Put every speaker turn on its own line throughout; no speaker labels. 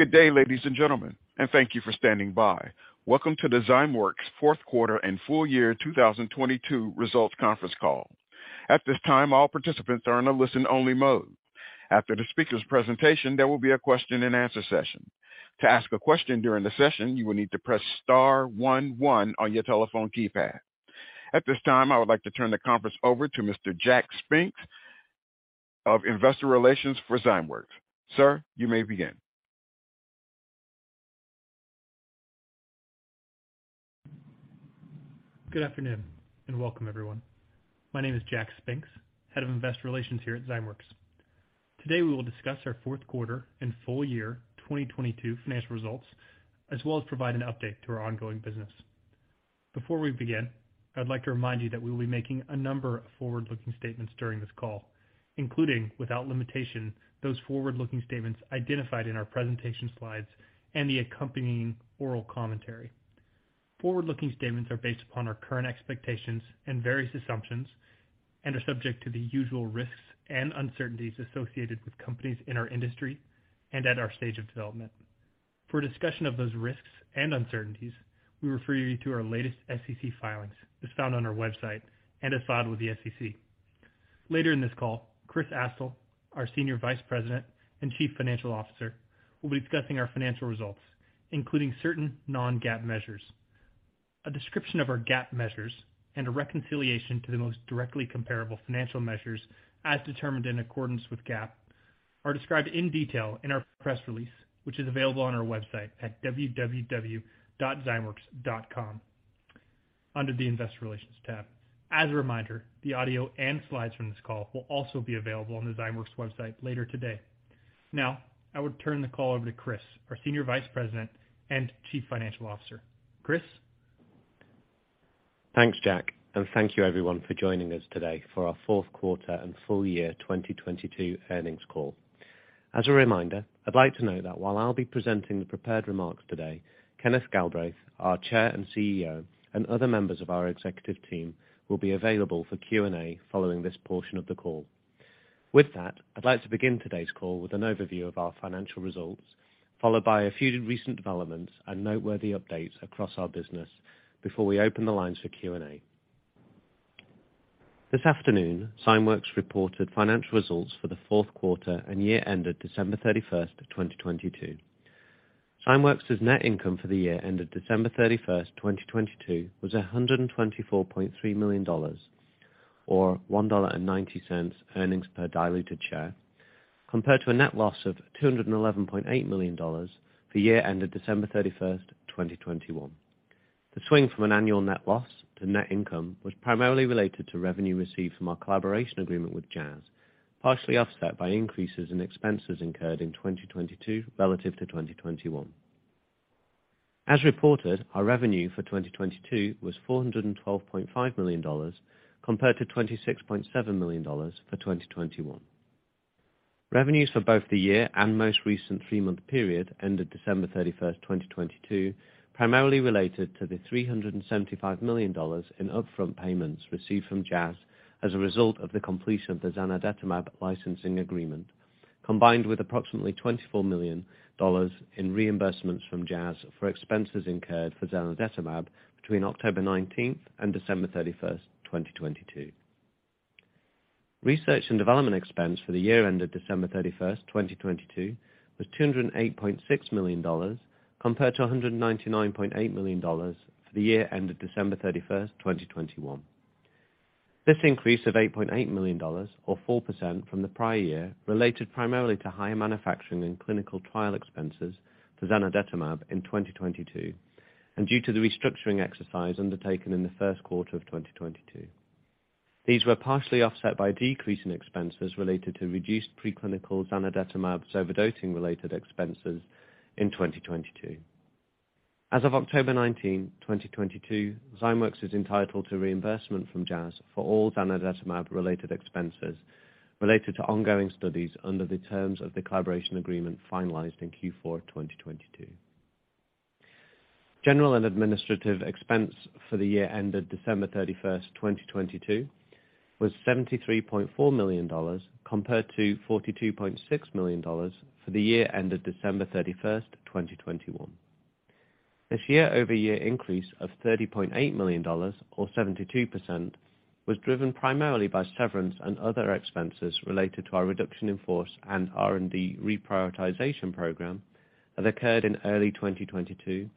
Good day, ladies and gentlemen, and thank you for standing by. Welcome to the Zymeworks fourth quarter and full year 2022 results conference call. At this time, all participants are in a listen-only mode. After the speaker's presentation, there will be a question-and-answer session. To ask a question during the session, you will need to press star one one on your telephone keypad. At this time, I would like to turn the conference over to Mr. Jack Spinks of Investor Relations for Zymeworks. Sir, you may begin.
Good afternoon and welcome, everyone. My name is Jack Spinks, Head of Investor Relations here at Zymeworks. Today, we will discuss our fourth quarter and full year 2022 financial results, as well as provide an update to our ongoing business. Before we begin, I'd like to remind you that we will be making a number of forward-looking statements during this call, including, without limitation, those forward-looking statements identified in our presentation slides and the accompanying oral commentary. Forward-looking statements are based upon our current expectations and various assumptions and are subject to the usual risks and uncertainties associated with companies in our industry and at our stage of development. For a discussion of those risks and uncertainties, we refer you to our latest SEC filings as found on our website and as filed with the SEC. Later in this call, Chris Astle, our Senior Vice President and Chief Financial Officer, will be discussing our financial results, including certain non-GAAP measures. A description of our GAAP measures, and a reconciliation to the most directly comparable financial measures as determined in accordance with GAAP, are described in detail in our press release, which is available on our website at www.zymeworks.com under the Investor Relations tab. As a reminder, the audio and slides from this call will also be available on the Zymeworks website later today. I would turn the call over to Chris, our Senior Vice President and Chief Financial Officer. Chris.
Thanks, Jack. Thank you everyone for joining us today for our fourth quarter and full year 2022 earnings call. As a reminder, I'd like to note that while I'll be presenting the prepared remarks today, Kenneth Galbraith, our Chair and CEO, and other members of our executive team will be available for Q&A following this portion of the call. With that, I'd like to begin today's call with an overview of our financial results, followed by a few recent developments and noteworthy updates across our business before we open the lines for Q&A. This afternoon, Zymeworks reported financial results for the fourth quarter and year ended December 31st of 2022. Zymeworks' net income for the year ended December thirty-first, 2022 was $124.3 million, or $1.90 earnings per diluted share, compared to a net loss of $211.8 million for year ended December thirty-first, 2021. The swing from an annual net loss to net income was primarily related to revenue received from our collaboration agreement with Jazz, partially offset by increases in expenses incurred in 2022 relative to 2021. As reported, our revenue for 2022 was $412.5 million compared to $26.7 million for 2021. Revenues for both the year and most recent three-month period ended December 31st, 2022, primarily related to the $375 million in upfront payments received from Jazz as a result of the completion of the zanidatamab licensing agreement, combined with approximately $24 million in reimbursements from Jazz for expenses incurred for zanidatamab between October 19th and December 31st, 2022. Research and development expense for the year ended December 31st, 2022, was $208.6 million, compared to $199.8 million for the year ended December 31st, 2021. This increase of $8.8 million or 4% from the prior year, related primarily to higher manufacturing and clinical trial expenses for zanidatamab in 2022, and due to the restructuring exercise undertaken in the first quarter of 2022. These were partially offset by a decrease in expenses related to reduced preclinical zanidatamab zovodotin-related expenses in 2022. As of October 19th, 2022, Zymeworks is entitled to reimbursement from Jazz for all zanidatamab-related expenses related to ongoing studies under the terms of the collaboration agreement finalized in Q4 of 2022. General and administrative expense for the year ended December 31st, 2022, was $73.4 million compared to $42.6 million for the year ended December 31st, 2021. This year-over-year increase of $30.8 million or 72% was driven primarily by severance and other expenses related to our reduction in force and R&D reprioritization program that occurred in early 2022,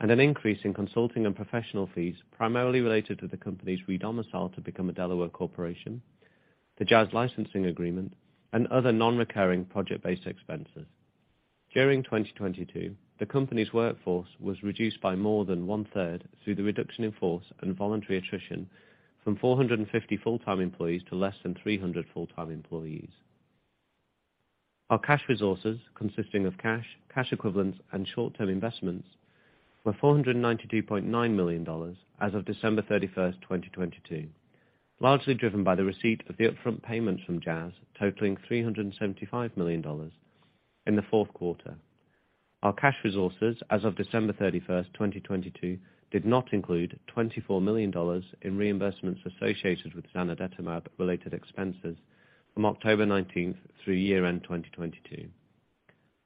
and an increase in consulting and professional fees primarily related to the company's redomicile to become a Delaware corporation, the Jazz licensing agreement, and other non-recurring project-based expenses. During 2022, the company's workforce was reduced by more than one-third through the reduction in force and voluntary attrition from 450 full-time employees to less than 300 full-time employees. Our cash resources, consisting of cash equivalents, and short-term investments, were $492.9 million as of December 31st, 2022, largely driven by the receipt of the upfront payments from Jazz totaling $375 million in the fourth quarter. Our cash resources as of December 31st, 2022, did not include $24 million in reimbursements associated with zanidatamab-related expenses from October 19th through year-end 2022.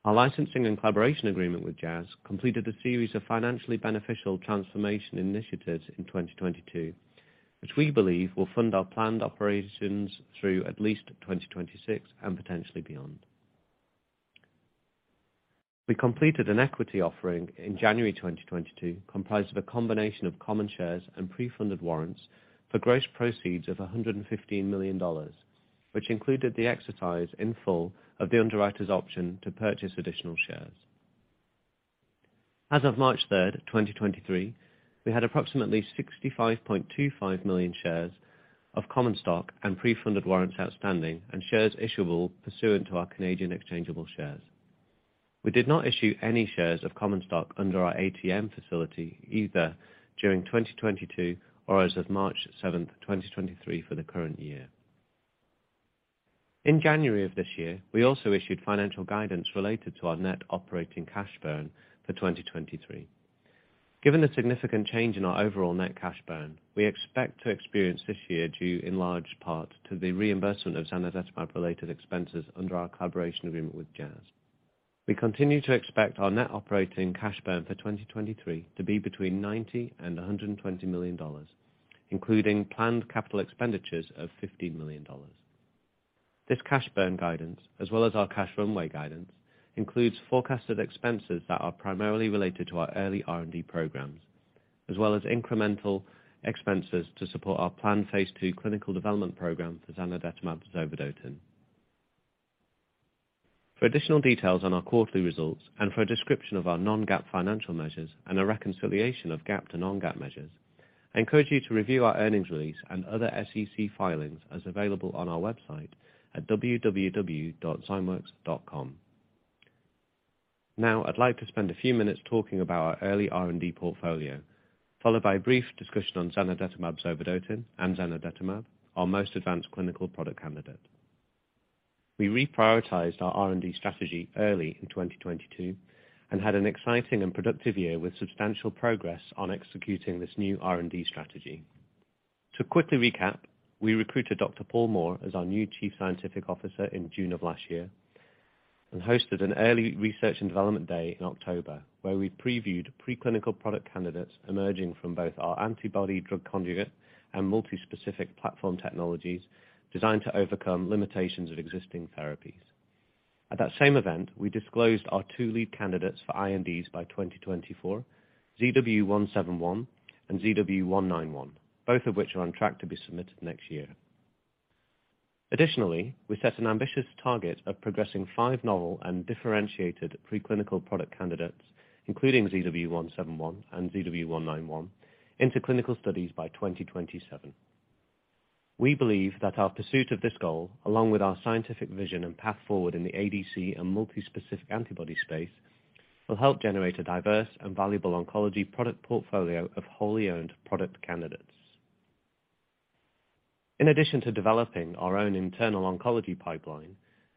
Our licensing and collaboration agreement with Jazz completed a series of financially beneficial transformation initiatives in 2022, which we believe will fund our planned operations through at least 2026 and potentially beyond. We completed an equity offering in January 2022, comprised of a combination of common shares and pre-funded warrants for gross proceeds of $115 million, which included the exercise in full of the underwriter's option to purchase additional shares. As of March 3rd, 2023, we had approximately 65.25 million shares of common stock and pre-funded warrants outstanding and shares issuable pursuant to our Canadian exchangeable shares. We did not issue any shares of common stock under our ATM facility either during 2022 or as of March 7th, 2023 for the current year. In January of this year, we also issued financial guidance related to our net operating cash burn for 2023. Given the significant change in our overall net cash burn, we expect to experience this year due in large part to the reimbursement of zanidatamab related expenses under our collaboration agreement with Jazz. We continue to expect our net operating cash burn for 2023 to be between $90 million and $120 million, including planned capital expenditures of $15 million. This cash burn guidance, as well as our cash runway guidance, includes forecasted expenses that are primarily related to our early R&D programs, as well as incremental expenses to support our planned Phase II clinical development program for zanidatamab zovodotin. For additional details on our quarterly results and for a description of our non-GAAP financial measures and a reconciliation of GAAP to non-GAAP measures, I encourage you to review our earnings release and other SEC filings as available on our website at www.zymeworks.com. Now I'd like to spend a few minutes talking about our early R&D portfolio, followed by a brief discussion on zanidatamab zovodotin and zanidatamab, our most advanced clinical product candidate. We reprioritized our R&D strategy early in 2022 and had an exciting and productive year with substantial progress on executing this new R&D strategy. To quickly recap, we recruited Dr. Paul Moore as our new Chief Scientific Officer in June of last year and hosted an early research and development day in October, where we previewed preclinical product candidates emerging from both our antibody-drug conjugate and multispecific platform technologies designed to overcome limitations of existing therapies. At that same event, we disclosed our two lead candidates for INDs by 2024, ZW171 and ZW191, both of which are on track to be submitted next year. Additionally, we set an ambitious target of progressing 5 novel and differentiated preclinical product candidates, including ZW171 and ZW191, into clinical studies by 2027. We believe that our pursuit of this goal, along with our scientific vision and path forward in the ADC and multispecific antibody space, will help generate a diverse and valuable oncology product portfolio of wholly owned product candidates. In addition to developing our own internal oncology pipeline,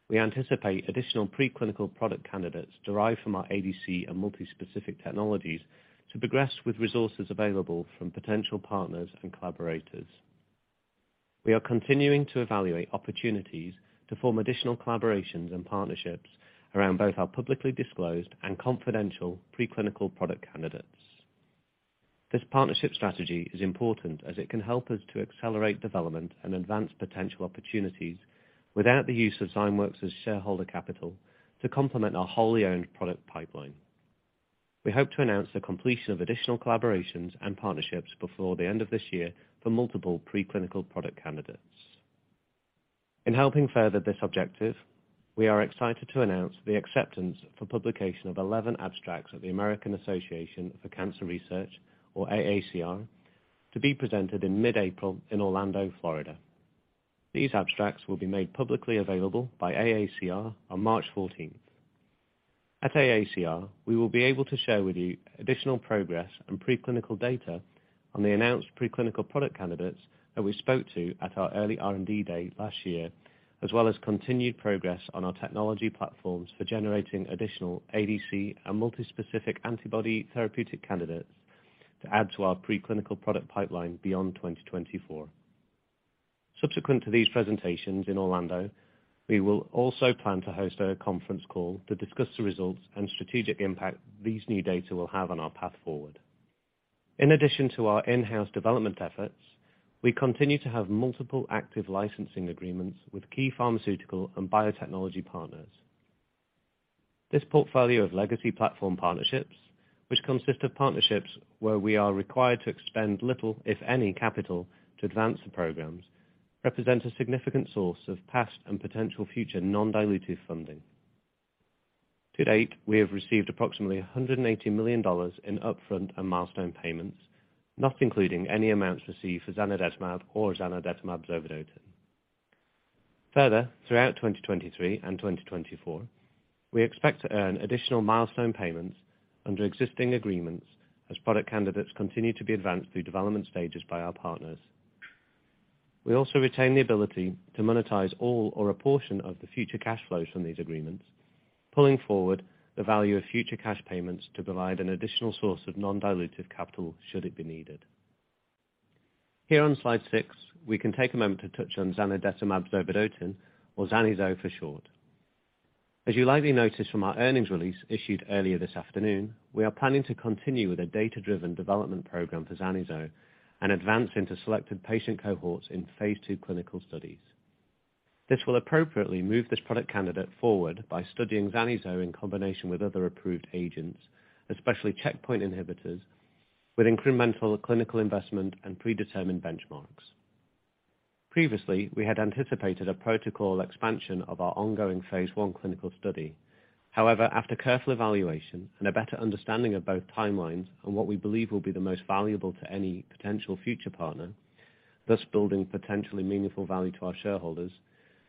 we anticipate additional preclinical product candidates derived from our ADC and multispecific technologies to progress with resources available from potential partners and collaborators. We are continuing to evaluate opportunities to form additional collaborations and partnerships around both our publicly disclosed and confidential preclinical product candidates. This partnership strategy is important as it can help us to accelerate development and advance potential opportunities without the use of Zymeworks' shareholder capital to complement our wholly owned product pipeline. We hope to announce the completion of additional collaborations and partnerships before the end of this year for multiple preclinical product candidates. In helping further this objective, we are excited to announce the acceptance for publication of 11 abstracts at the American Association for Cancer Research, or AACR, to be presented in mid-April in Orlando, Florida. These abstracts will be made publicly available by AACR on March 14th. At AACR, we will be able to share with you additional progress and preclinical data on the announced preclinical product candidates that we spoke to at our early R&D day last year, as well as continued progress on our technology platforms for generating additional ADC and multispecific antibody therapeutic candidates to add to our preclinical product pipeline beyond 2024. Subsequent to these presentations in Orlando, we will also plan to host a conference call to discuss the results and strategic impact these new data will have on our path forward. In addition to our in-house development efforts, we continue to have multiple active licensing agreements with key pharmaceutical and biotechnology partners. This portfolio of legacy platform partnerships, which consist of partnerships where we are required to expend little, if any, capital to advance the programs, represents a significant source of past and potential future non-dilutive funding. To date, we have received approximately $180 million in upfront and milestone payments, not including any amounts received for zanidatamab or zanidatamab zovodotin. Further, throughout 2023 and 2024, we expect to earn additional milestone payments under existing agreements as product candidates continue to be advanced through development stages by our partners. We also retain the ability to monetize all or a portion of the future cash flows from these agreements, pulling forward the value of future cash payments to provide an additional source of non-dilutive capital should it be needed. Here on slide 6, we can take a moment to touch on zanidatamab zovodotin, or ZANI-0 for short. As you likely noticed from our earnings release issued earlier this afternoon, we are planning to continue with a data-driven development program for ZANI-0 and advance into selected patient cohorts in Phase II clinical studies. This will appropriately move this product candidate forward by studying ZANI-0 in combination with other approved agents, especially checkpoint inhibitors, with incremental clinical investment and predetermined benchmarks. Previously, we had anticipated a protocol expansion of our ongoing Phase I clinical study. After careful evaluation and a better understanding of both timelines and what we believe will be the most valuable to any potential future partner, thus building potentially meaningful value to our shareholders,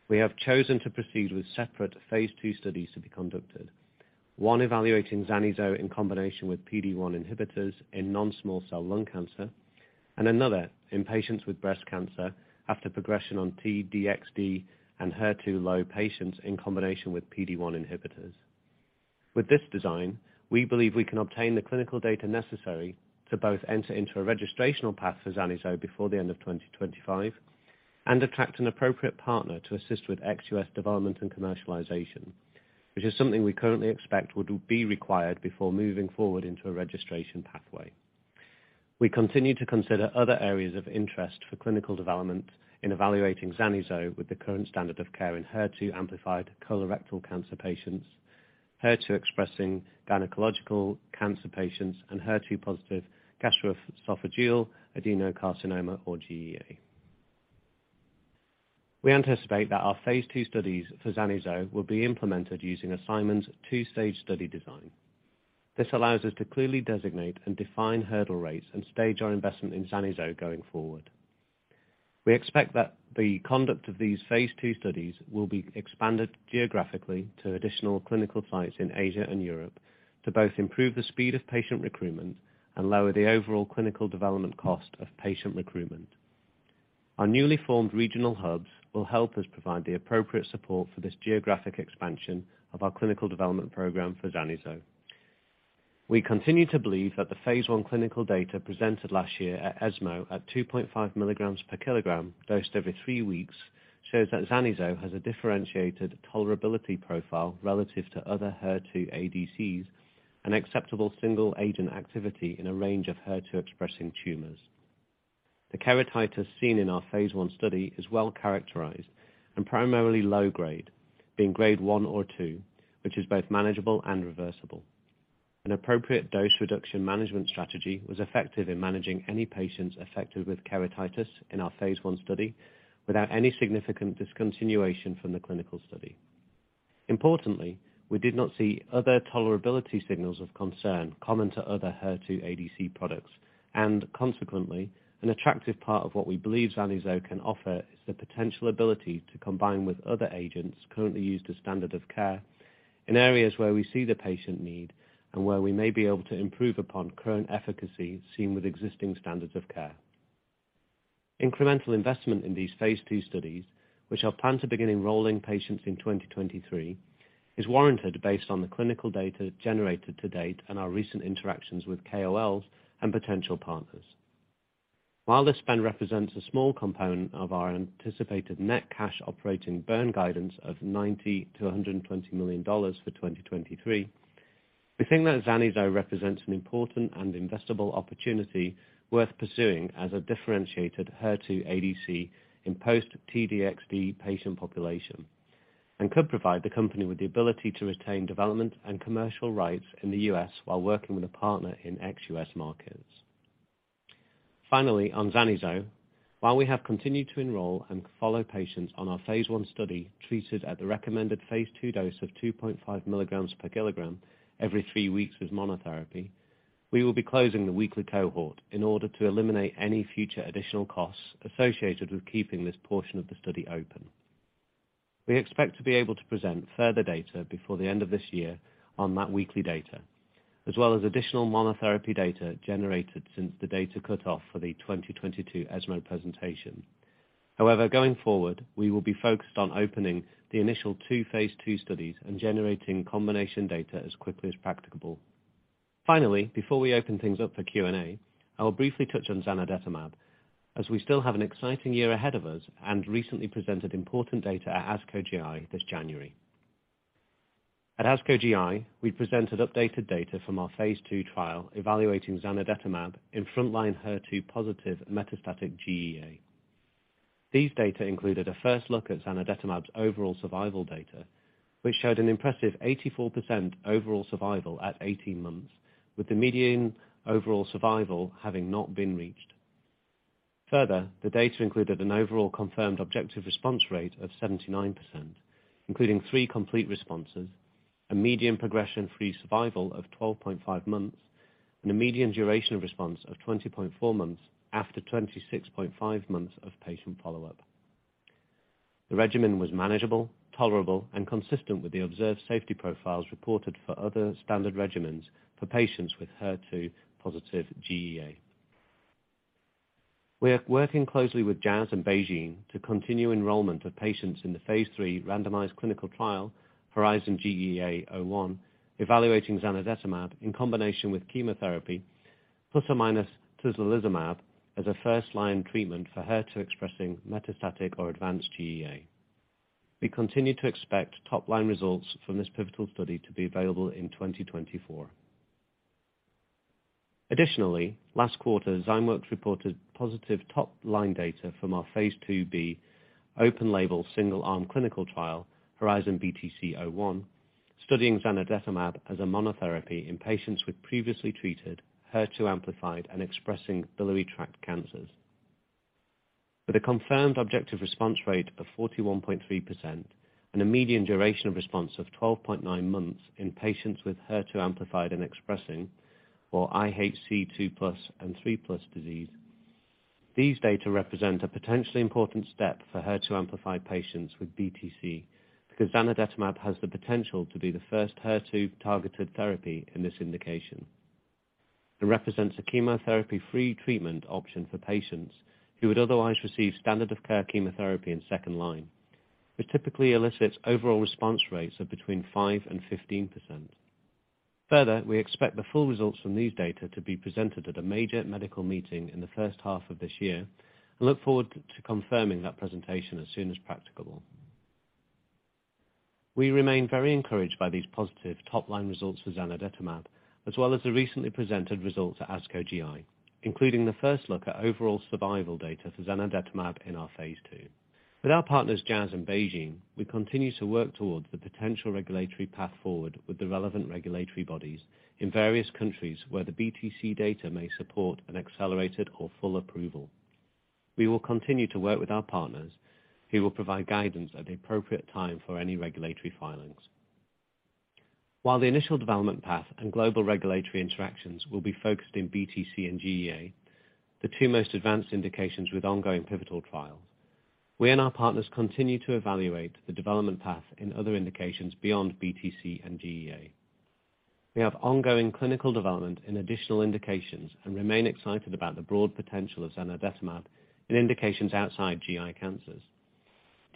we have chosen to proceed with separate Phase II studies to be conducted. One evaluating ZANI-0 in combination with PD-1 inhibitors in non-small cell lung cancer, and another in patients with breast cancer after progression on T-DXd and HER2 low patients in combination with PD-1 inhibitors. With this design, we believe we can obtain the clinical data necessary to both enter into a registrational path for ZANI-0 before the end of 2025 and attract an appropriate partner to assist with ex-U.S. development and commercialization, which is something we currently expect would be required before moving forward into a registration pathway. We continue to consider other areas of interest for clinical development in evaluating ZANI-0 with the current standard of care in HER2 amplified colorectal cancer patients, HER2 expressing gynecological cancer patients, and HER2 positive gastroesophageal adenocarcinoma, or GEA. We anticipate that our Phase II studies for ZANI-0 will be implemented using Simon's 2-stage study design. This allows us to clearly designate and define hurdle rates and stage our investment in ZANI-0 going forward. We expect that the conduct of these Phase II studies will be expanded geographically to additional clinical sites in Asia and Europe to both improve the speed of patient recruitment and lower the overall clinical development cost of patient recruitment. Our newly formed regional hubs will help us provide the appropriate support for this geographic expansion of our clinical development program for ZANI-0. We continue to believe that the hase I clinical data presented last year at ESMO at 2.5 milligrams per kilogram dosed every 3 weeks, shows that ZANI-0 has a differentiated tolerability profile relative to other HER2 ADCs and acceptable single-agent activity in a range of HER2 expressing tumors. The keratitis seen in our Phase I study is well-characterized and primarily low grade, being grade 1 or 2, which is both manageable and reversible. An appropriate dose reduction management strategy was effective in managing any patients affected with keratitis in our Phase I study without any significant discontinuation from the clinical study. Importantly, we did not see other tolerability signals of concern common to other HER2 ADC products and consequently, an attractive part of what we believe ZANI-0 can offer is the potential ability to combine with other agents currently used as standard of care in areas where we see the patient need and where we may be able to improve upon current efficacy seen with existing standards of care. Incremental investment in these Phase II studies, which are planned to begin enrolling patients in 2023, is warranted based on the clinical data generated to date and our recent interactions with KOLs and potential partners. While this spend represents a small component of our anticipated net cash operating burn guidance of $90 million-$120 million for 2023, we think that ZANI-0 represents an important and investable opportunity worth pursuing as a differentiated HER2 ADC in post-T-DXd patient population and could provide the company with the ability to retain development and commercial rights in the U.S. while working with a partner in ex-U.S. markets. Finally, on ZANI-0, while we have continued to enroll and follow patients on our Phase I study treated at the recommended Phase II dose of 2.5 milligrams per kilogram every 3 weeks with monotherapy, we will be closing the weekly cohort in order to eliminate any future additional costs associated with keeping this portion of the study open. We expect to be able to present further data before the end of this year on that weekly data, as well as additional monotherapy data generated since the data cut-off for the 2022 ESMO presentation. Going forward, we will be focused on opening the initial two Phase II studies and generating combination data as quickly as practicable. Before we open things up for Q&A, I will briefly touch on zanidatamab, as we still have an exciting year ahead of us and recently presented important data at ASCO GI this January. At ASCO GI, we presented updated data from our Phase II trial evaluating zanidatamab in front line HER2 positive metastatic GEA. These data included a first look at zanidatamab's overall survival data, which showed an impressive 84% overall survival at 18 months, with the median overall survival having not been reached. Further, the data included an overall confirmed objective response rate of 79%, including three complete responses, a median progression-free survival of 12.5 months, and a median duration of response of 20.4 months after 26.5 months of patient follow-up. The regimen was manageable, tolerable, and consistent with the observed safety profiles reported for other standard regimens for patients with HER2-positive GEA. We are working closely with Jazz and BeiGene to continue enrollment of patients in the Phase III randomized clinical trial, HORIZON-GEA-01, evaluating zanidatamab in combination with chemotherapy plus or minus tislelizumab as a first-line treatment for HER2-expressing metastatic or advanced GEA. We continue to expect top-line results from this pivotal study to be available in 2024. Last quarter, Zymeworks reported positive top-line data from our Phase IIb open label single arm clinical trial, HERIZON-BTC-01, studying zanidatamab as a monotherapy in patients with previously treated HER2-amplified and expressing biliary tract cancers. With a confirmed objective response rate of 41.3% and a median duration of response of 12.9 months in patients with HER2-amplified and expressing or IHC 2+ and 3+ disease. These data represent a potentially important step for HER2-amplified patients with BTC, because zanidatamab has the potential to be the first HER2-targeted therapy in this indication. It represents a chemotherapy-free treatment option for patients who would otherwise receive standard of care chemotherapy in second line, which typically elicits overall response rates of between 5% and 15%. We expect the full results from these data to be presented at a major medical meeting in the first half of this year and look forward to confirming that presentation as soon as practicable. We remain very encouraged by these positive top-line results for zanidatamab, as well as the recently presented results at ASCO GI, including the first look at overall survival data for zanidatamab in our Phase II. With our partners, Jazz in BeiGene, we continue to work towards the potential regulatory path forward with the relevant regulatory bodies in various countries where the BTC data may support an accelerated or full approval. We will continue to work with our partners who will provide guidance at the appropriate time for any regulatory filings. While the initial development path and global regulatory interactions will be focused in BTC and GEA, the two most advanced indications with ongoing pivotal trials, we and our partners continue to evaluate the development path in other indications beyond BTC and GEA. We have ongoing clinical development in additional indications and remain excited about the broad potential of zanidatamab in indications outside GI cancers.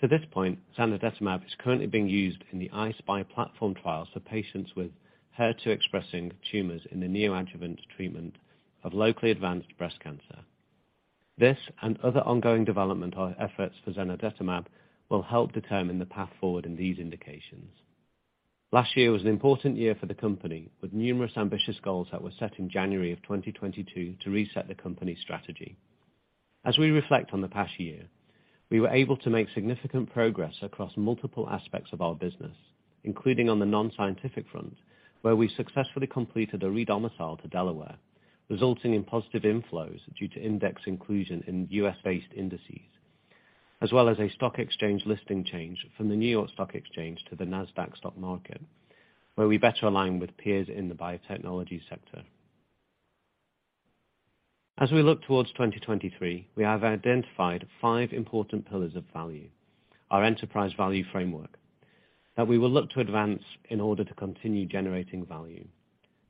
To this point, zanidatamab is currently being used in the I-SPY platform trials for patients with HER2 expressing tumors in the neoadjuvant treatment of locally advanced breast cancer. This and other ongoing development efforts for zanidatamab will help determine the path forward in these indications. Last year was an important year for the company, with numerous ambitious goals that were set in January 2022 to reset the company's strategy. As we reflect on the past year, we were able to make significant progress across multiple aspects of our business, including on the non-scientific front, where we successfully completed a re-domicile to Delaware, resulting in positive inflows due to index inclusion in U.S.-based indices, as well as a stock exchange listing change from the New York Stock Exchange to the Nasdaq stock market, where we better align with peers in the biotechnology sector. As we look towards 2023, we have identified five important pillars of value, our enterprise value framework, that we will look to advance in order to continue generating value.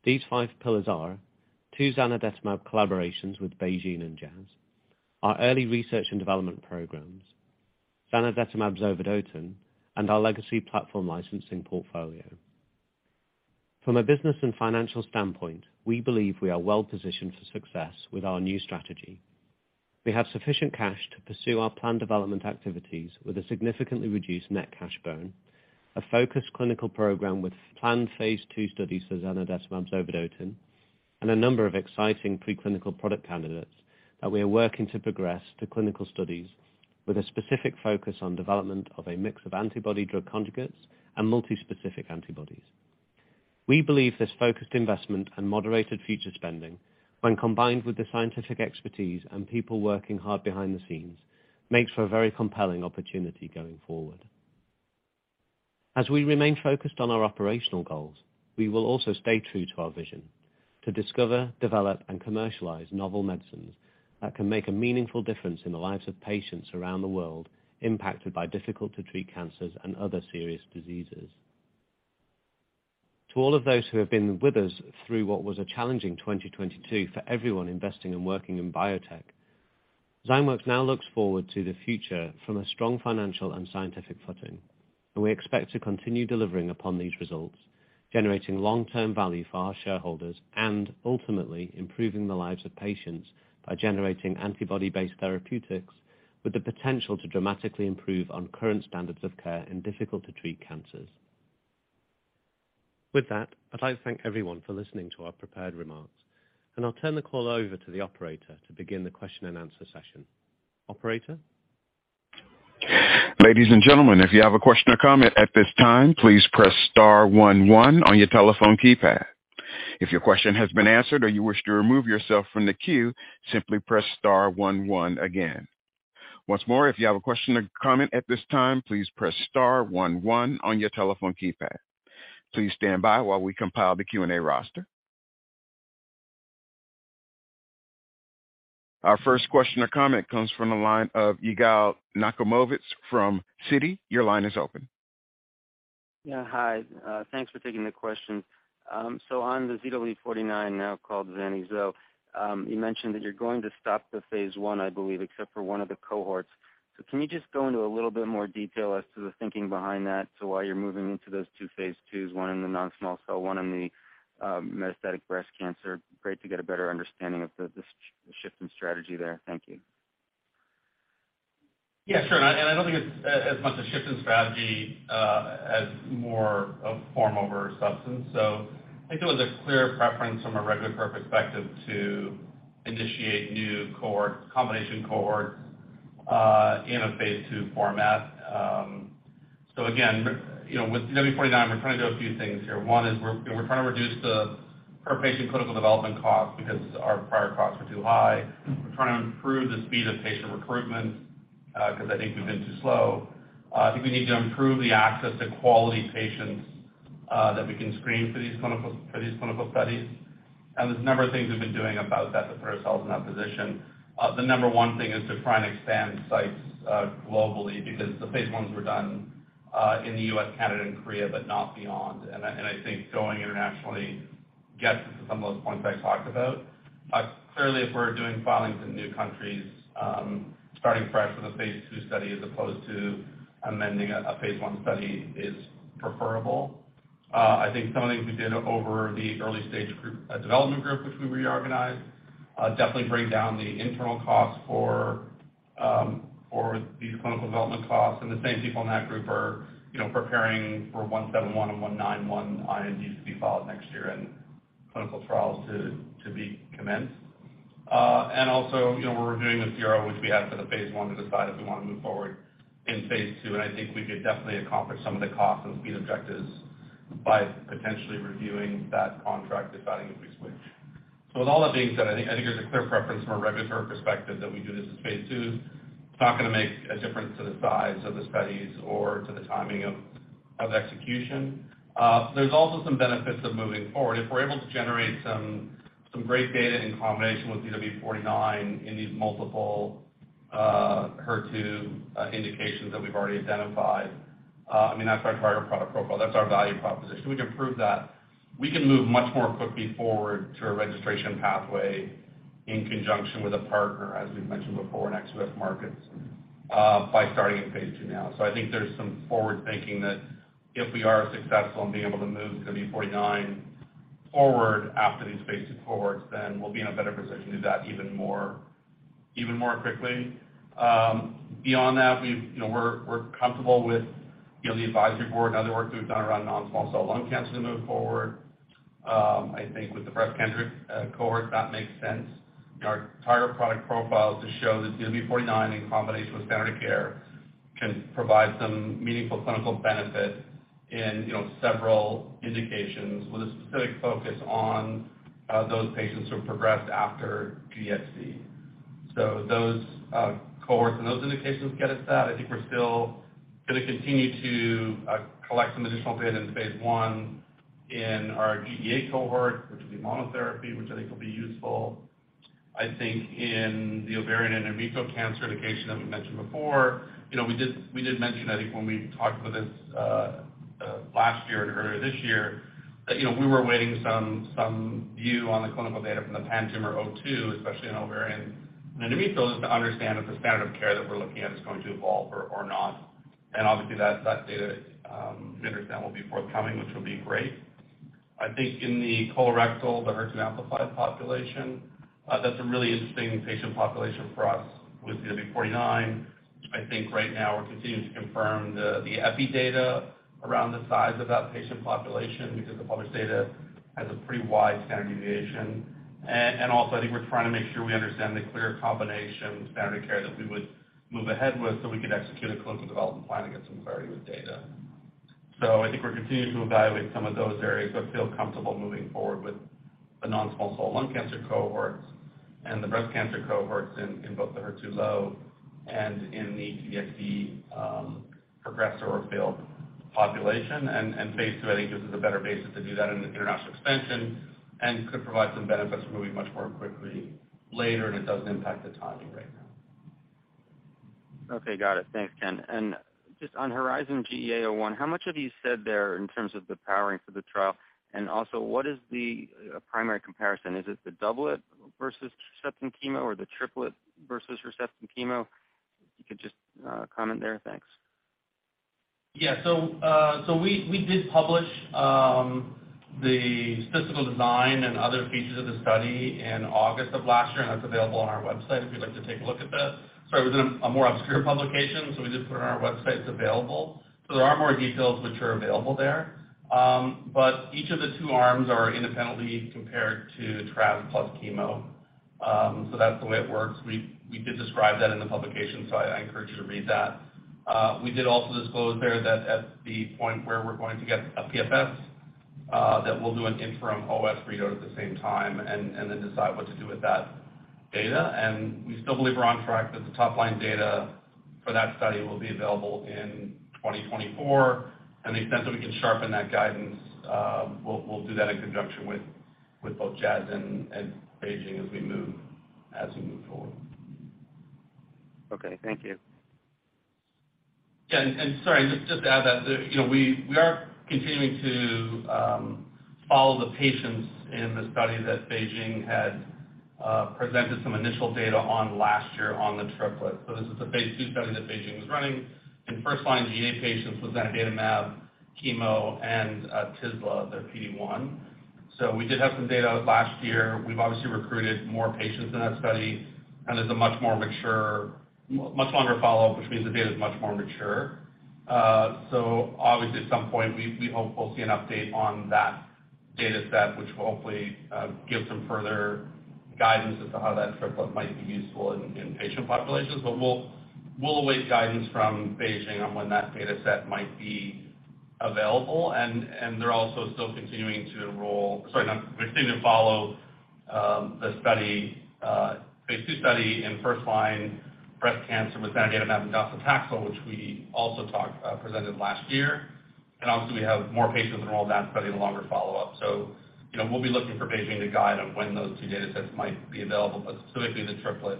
These five pillars are two zanidatamab collaborations with BeiGene and Jazz, our early research and development programs, zanidatamab zovodotin, and our legacy platform licensing portfolio. From a business and financial standpoint, we believe we are well-positioned for success with our new strategy. We have sufficient cash to pursue our planned development activities with a significantly reduced net cash burn, a focused clinical program with planned Phase II studies for zanidatamab zovodotin, and a number of exciting preclinical product candidates that we are working to progress to clinical studies with a specific focus on development of a mix of antibody-drug conjugates and multispecific antibodies. We believe this focused investment and moderated future spending, when combined with the scientific expertise and people working hard behind the scenes, makes for a very compelling opportunity going forward. As we remain focused on our operational goals, we will also stay true to our vision to discover, develop, and commercialize novel medicines that can make a meaningful difference in the lives of patients around the world impacted by difficult-to-treat cancers and other serious diseases. To all of those who have been with us through what was a challenging 2022 for everyone investing and working in biotech, Zymeworks now looks forward to the future from a strong financial and scientific footing, and we expect to continue delivering upon these results, generating long-term value for our shareholders, and ultimately improving the lives of patients by generating antibody-based therapeutics with the potential to dramatically improve on current standards of care in difficult to treat cancers. With that, I'd like to thank everyone for listening to our prepared remarks, and I'll turn the call over to the operator to begin the question and answer session. Operator?
Ladies and gentlemen, if you have a question or comment at this time, please press star one one on your telephone keypad. If your question has been answered or you wish to remove yourself from the queue, simply press star one one again. Once more, if you have a question or comment at this time, please press star one one on your telephone keypad. Please stand by while we compile the Q&A roster. Our first question or comment comes from the line of Yigal Nochomovitz from Citi. Your line is open.
Hi. Thanks for taking the question. On the ZW49, now called Zani-Zo, you mentioned that you're going to stop the Phase I, I believe, except for one of the cohorts. Can you just go into a little bit more detail as to the thinking behind that to why you're moving into those two Phase IIs, one in the non-small cell, one in the metastatic breast cancer? Great to get a better understanding of the shift in strategy there. Thank you.
Yeah, sure. I don't think it's as much a shift in strategy as more of form over substance. I think there was a clear preference from a regulatory perspective to initiate new cohorts, combination cohorts, in a Phase II format. Again, you know, with ZW49, we're trying to do a few things here. One is we're, you know, we're trying to reduce the per-patient clinical development costs because our prior costs were too high. We're trying to improve the speed of patient recruitment, 'cause I think we've been too slow. I think we need to improve the access to quality patients that we can screen for these clinical, for these clinical studies. There's a number of things we've been doing about that to put ourselves in that position. The number 1 thing is to try and expand sites globally because the Phase Is were done in the U.S., Canada, and Korea, but not beyond. I think going internationally gets us to some of those points I talked about. Clearly, if we're doing filings in new countries, starting fresh with a Phase II study as opposed to amending a Phase I study is preferable. I think some of the things we did over the early stage group, development group, which we reorganized, definitely bring down the internal costs for the clinical development costs. The same people in that group are, you know, preparing for ZW171 and ZW191 INDs to be filed next year and clinical trials to be commenced. you know, we're reviewing the CRO, which we had for the Phase I, to decide if we wanna move forward in Phase II. I think we could definitely accomplish some of the cost and speed objectives by potentially reviewing that contract, deciding if we switch. With all that being said, I think there's a clear preference from a regulatory perspective that we do this as a Phase II. It's not gonna make a difference to the size of the studies or to the timing of execution. There's also some benefits of moving forward. If we're able to generate some great data in combination with ZW49 in these multiple HER2 indications that we've already identified, I mean, that's our entire product profile. That's our value proposition. We can prove that. We can move much more quickly forward to a registration pathway in conjunction with a partner, as we've mentioned before in ex-US markets, by starting in Phase II now. I think there's some forward-thinking that if we are successful in being able to move ZW49 forward after these Phase II cohorts, then we'll be in a better position to do that even more, even more quickly. Beyond that, we've, you know, we're comfortable with, you know, the advisory board and other work that we've done around non-small cell lung cancer to move forward. I think with the breast Kendrick cohort, that makes sense. Our entire product profile to show that ZW49 in combination with standard of care can provide some meaningful clinical benefit in, you know, several indications with a specific focus on those patients who have progressed after GEA. Those cohorts and those indications get us that. I think we're still gonna continue to collect some additional data in Phase I in our GEA cohort, which will be monotherapy, which I think will be useful. I think in the ovarian and endometrial cancer indication that we mentioned before, you know, we did mention, I think when we talked about this last year and earlier this year, that, you know, we were awaiting some view on the clinical data from the PanTumor02, especially in ovarian and endometrial, just to understand if the standard of care that we're looking at is going to evolve or not. Obviously, that data, we understand will be forthcoming, which will be great. I think in the colorectal, the HER2-amplified population, that's a really interesting patient population for us with ZW49. I think right now we're continuing to confirm the epi data around the size of that patient population because the published data has a pretty wide standard deviation. Also, I think we're trying to make sure we understand the clear combination standard of care that we would move ahead with so we could execute a clinical development plan to get some clarity with data. I think we're continuing to evaluate some of those areas, but feel comfortable moving forward with the non-small cell lung cancer cohorts and the breast cancer cohorts in both the HER2 low and in the GEFC progress or failed population. Phase II, I think gives us a better basis to do that in international expansion and could provide some benefits moving much more quickly later, and it doesn't impact the timing right now.
Okay. Got it. Thanks, Ken. Just on HORIZON-GEA-01, how much have you said there in terms of the powering for the trial? Also what is the primary comparison? Is it the doublet versus receptor chemo or the triplet versus receptor chemo? If you could just comment there. Thanks.
We did publish the statistical design and other features of the study in August of last year. That's available on our website, if you'd like to take a look at that. Sorry, it was in a more obscure publication. We did put it on our website. It's available. There are more details which are available there. Each of the 2 arms are independently compared to trab plus chemo. That's the way it works. We did describe that in the publication, so I encourage you to read that. We did also disclose there that at the point where we're going to get a PFS, that we'll do an interim OS readout at the same time and then decide what to do with that data. We still believe we're on track that the top line data for that study will be available in 2024. In the extent that we can sharpen that guidance, we'll do that in conjunction with both Jazz and BeiGene as we move forward.
Okay. Thank you.
Yeah. Sorry, just to add that there, you know, we are continuing to follow the patients in the study that BeiGene had presented some initial data on last year on the triplet. This is a Phase II study that BeiGene was running in first line GEA patients with zanidatamab, chemo and tislelizumab, their PD-1. We did have some data last year. We've obviously recruited more patients in that study, and there's a much more mature, much longer follow-up, which means the data is much more mature. Obviously at some point we hope we'll see an update on that data set, which will hopefully give some further guidance as to how that triplet might be useful in patient populations. We'll await guidance from BeiGene on when that data set might be available. They're also still continuing to follow the study, Phase II study in first line breast cancer with zanidatamab and docetaxel, which we also presented last year. Obviously we have more patients enrolled in that study and a longer follow-up. You know, we'll be looking for BeiGene to guide on when those two data sets might be available. Specifically the triplet,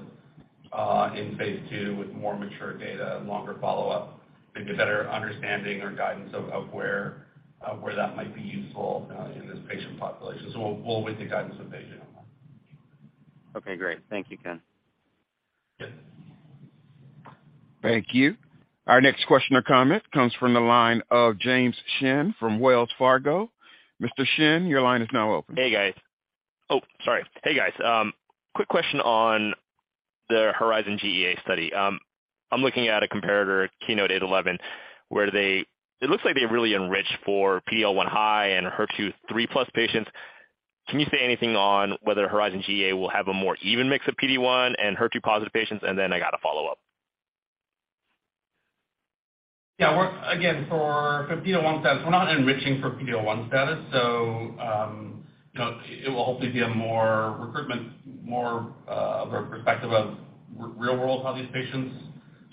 in Phase II with more mature data and longer follow-up to get better understanding or guidance of where that might be useful in this patient population. We'll await the guidance from BeiGene on that.
Okay, great. Thank you, Ken.
Yeah.
Thank you. Our next question or comment comes from the line of James Shin from Wells Fargo. Mr. Shin, your line is now open.
Hey, guys. Sorry. Hey, guys. Quick question on the HERIZON-GEA-01 study. I'm looking at a comparator KEYNOTE-811, where it looks like they really enriched for PD-L1 high and HER2 3 plus patients. Can you say anything on whether HERIZON-GEA-01 will have a more even mix of PD-1 and HER2-positive patients? Then I got a follow-up.
Yeah, again, for PD-L1 status, we're not enriching for PD-L1 status, you know, it will hopefully be a more recruitment, more of a perspective of real-world, how these patients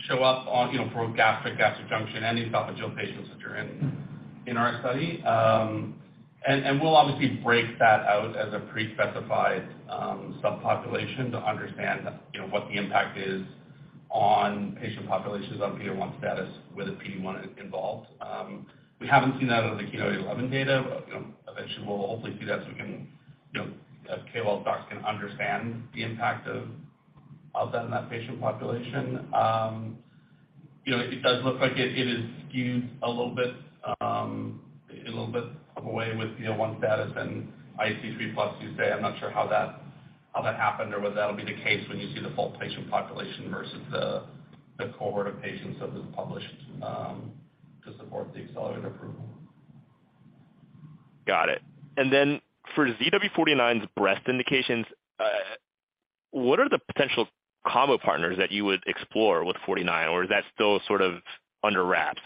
show up on, you know, for gastric junction and esophageal patients that are in our study. And we'll obviously break that out as a pre-specified subpopulation to understand, you know, what the impact is on patient populations on PD-L1 status, whether PD-1 is involved. We haven't seen that on the KEYNOTE-11 data. You know, eventually we'll hopefully see that so we can, you know, as KL docs can understand the impact of that in that patient population. You know, it does look like it is skewed a little bit, a little bit of a way with PD-L1 status and IHC 3+ you say. I'm not sure how that happened or whether that'll be the case when you see the full patient population versus the cohort of patients that was published to support the accelerated approval.
Got it. Then for ZW49's breast indications, what are the potential combo partners that you would explore with 49 or is that still sort of under wraps?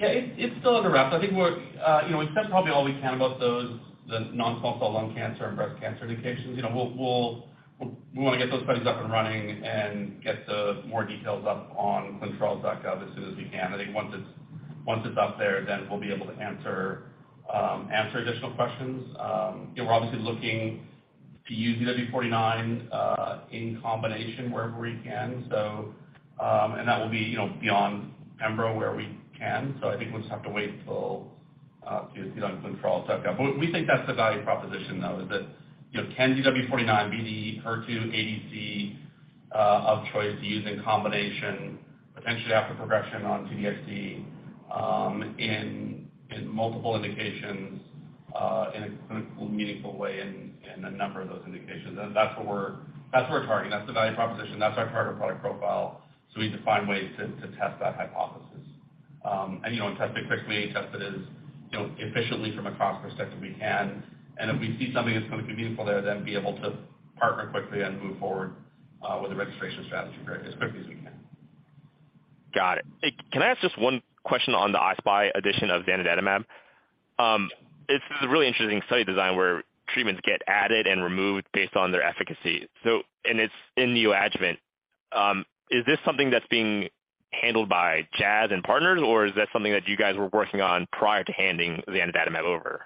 Yeah, it's still under wraps. I think we're, you know, we've said probably all we can about those, the non-small cell lung cancer and breast cancer indications. You know, we wanna get those studies up and running and get the more details up on ClinicalTrials.gov as soon as we can. I think once it's up there, then we'll be able to answer additional questions. You know, we're obviously looking to use ZW49 in combination wherever we can. And that will be, you know, beyond pembro where we can. I think we'll just have to wait till to see it on ClinicalTrials.gov. We think that's the value proposition, though, is that, you know, can ZW49 be the HER2 ADC of choice used in combination potentially after progression on T-DXd in multiple indications in a clinical meaningful way in a number of those indications. That's what we're targeting. That's the value proposition, that's our charter product profile. We need to find ways to test that hypothesis. You know, test it quickly, test it as, you know, efficiently from a cost perspective we can. If we see something that's gonna be meaningful there, then be able to partner quickly and move forward with the registration strategy very as quickly as we can.
Got it. Hey, can I ask just 1 question on the I-SPY addition of zanidatamab? It's this really interesting study design where treatments get added and removed based on their efficacy. It's in neoadjuvant. Is this something that's being handled by Jazz and Partners, or is that something that you guys were working on prior to handing zanidatamab over?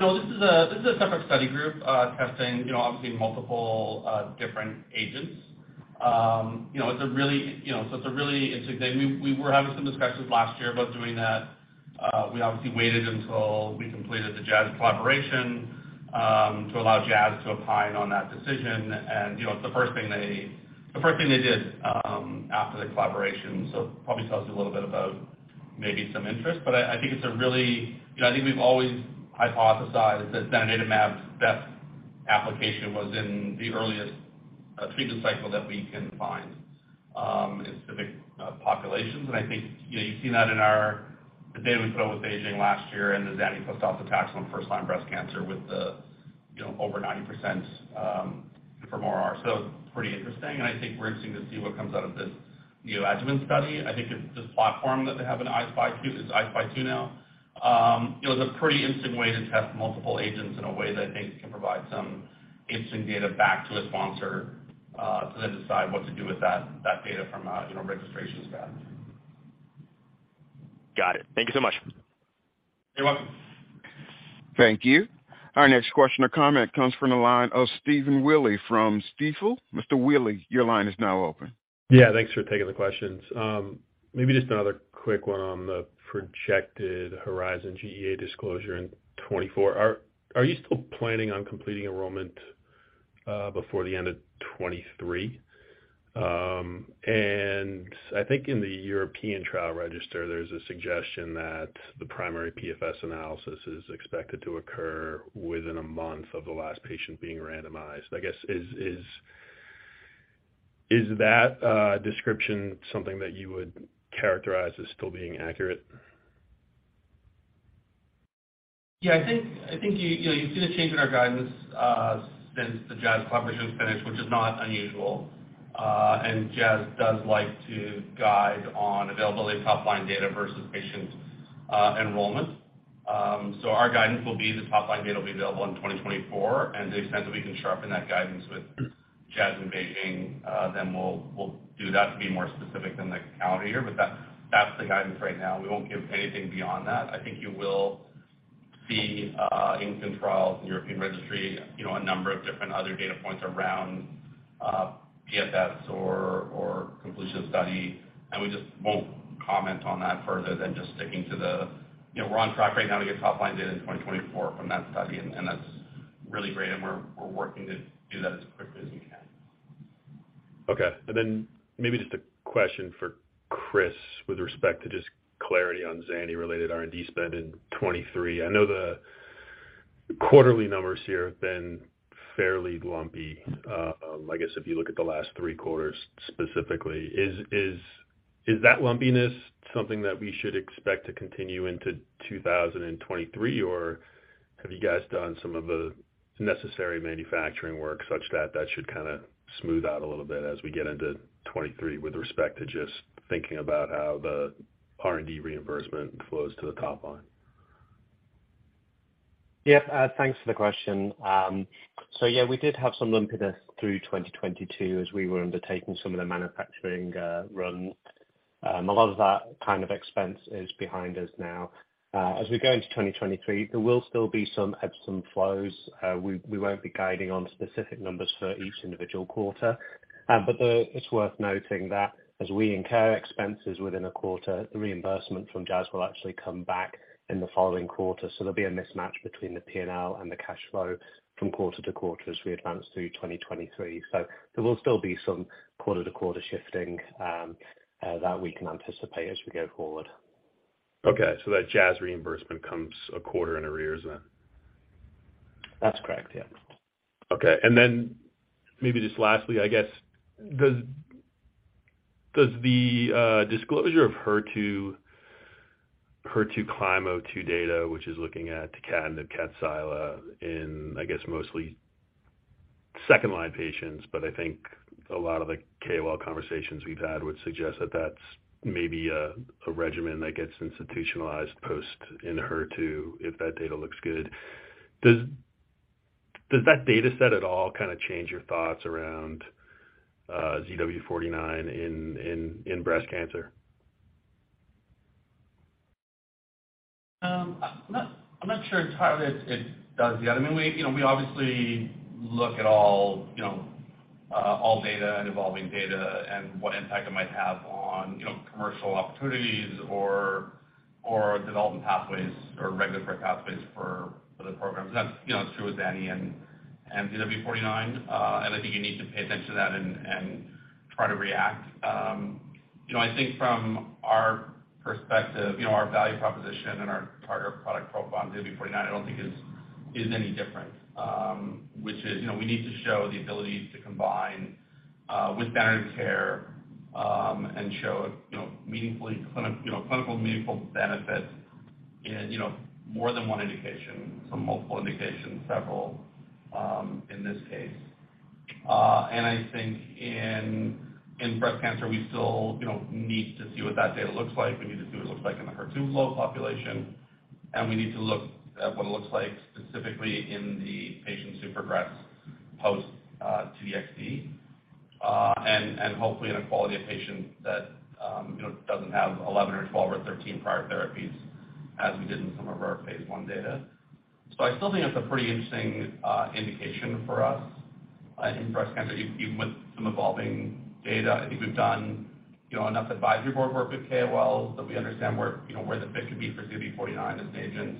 No, this is a separate study group, testing, you know, obviously multiple, different agents. You know, it's a really. We were having some discussions last year about doing that. We obviously waited until we completed the Jazz collaboration, to allow Jazz to opine on that decision. You know, the first thing they did, after the collaboration. Probably tells you a little bit about maybe some interest. I think it's a really. You know, I think we've always hypothesized that zanidatamab's best application was in the earliest, treatment cycle that we can find, in specific, populations. I think, you know, you've seen that in our the data we put out with BeiGene last year and the zani plus docetaxel in first-line breast cancer with the, you know, over 90%, confirm RR. It's pretty interesting, and I think we're interesting to see what comes out of this neoadjuvant study. I think it's this platform that they have in I-SPY 2. It's I-SPY 2 now. You know, it's a pretty interesting way to test multiple agents in a way that I think can provide some interesting data back to the sponsor, so they decide what to do with that data from a, you know, registration standpoint.
Got it. Thank you so much.
You're welcome.
Thank you. Our next question or comment comes from the line of Stephen Willey from Stifel. Mr. Willey, your line is now open.
Yeah, thanks for taking the questions. Maybe just another quick one on the projected HERIZON-GEA-01 disclosure in 2024. Are you still planning on completing enrollment before the end of 2023, and I think in the European trial register, there's a suggestion that the primary PFS analysis is expected to occur within a 1 month of the last patient being randomized. I guess, is that description something that you would characterize as still being accurate?
I think you know, you've seen a change in our guidance since the Jazz collaboration finished, which is not unusual. Jazz does like to guide on availability of top line data versus patient enrollment. Our guidance will be the top line data will be available in 2024. To the extent that we can sharpen that guidance with Jazz in BeiGene, then we'll do that to be more specific than the calendar year. That's the guidance right now. We won't give anything beyond that. I think you will see in trials in European registry, you know, a number of different other data points around PFS or completion of study, and we just won't comment on that further than just sticking to the. You know, we're on track right now to get top line data in 2024 from that study. That's really great. We're working to do that as quickly as we can.
Okay. Maybe just a question for Chris with respect to just clarity on ZANI related R&D spend in 2023. I know the quarterly numbers here have been fairly lumpy, I guess if you look at the last three quarters specifically. Is that lumpiness something that we should expect to continue into 2023, or have you guys done some of the necessary manufacturing work such that that should kinda smooth out a little bit as we get into 2023 with respect to just thinking about how the R&D reimbursement flows to the top line?
Yeah. Thanks for the question. Yeah, we did have some lumpiness through 2022 as we were undertaking some of the manufacturing runs. A lot of that kind of expense is behind us now. As we go into 2023, there will still be some ebbs and flows. We won't be guiding on specific numbers for each individual quarter. It's worth noting that as we incur expenses within a quarter, the reimbursement from Jazz will actually come back in the following quarter. There'll be a mismatch between the P&L and the cash flow from quarter to quarter as we advance through 2023. There will still be some quarter-to-quarter shifting that we can anticipate as we go forward.
Okay. That Jazz reimbursement comes a quarter in arrears then?
That's correct, yeah.
Okay. Maybe just lastly, I guess, does the disclosure of DESTINY-Breast02, which is looking at trastuzumab deruxtecan in, I guess, mostly second-line patients, I think a lot of the KOL conversations we've had would suggest that that's maybe a regimen that gets institutionalized post Enhertu if that data looks good. Does that data set at all kinda change your thoughts around ZW49 in breast cancer?
I'm not, I'm not sure entirely it does yet. I mean, we, you know, we obviously look at all, you know, all data and evolving data and what impact it might have on, you know, commercial opportunities or development pathways or regulatory pathways for the programs. That's, you know, that's true with ZANI and ZW49. I think you need to pay attention to that and try to react. You know, I think from our perspective, you know, our value proposition and our target product profile on ZW49 I don't think is any different, which is, you know, we need to show the ability to combine with standard of care and show, you know, meaningfully clinical meaningful benefits in, you know, more than one indication, so multiple indications, several, in this case. I think in breast cancer, we still, you know, need to see what that data looks like. We need to see what it looks like in the HER2-low population, and we need to look at what it looks like specifically in the patients who progress post T-DXd and hopefully in a quality of patient that, you know, doesn't have 11 or 12 or 13 prior therapies as we did in some of our Phase I data. I still think it's a pretty interesting indication for us in breast cancer, even with some evolving data. I think we've done, you know, enough advisory board work with KOLs that we understand where, you know, where the fit could be for ZW49 as an agent.